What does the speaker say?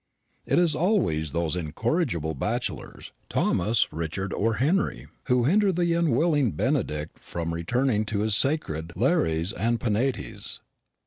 It is always those incorrigible bachelors, Thomas, Richard, or Henry, who hinder the unwilling Benedick from returning to his sacred Lares and Penates.